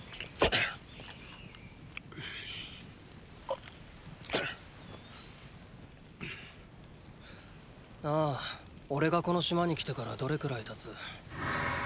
あっ⁉なぁおれがこの島に来てからどれくらい経つ？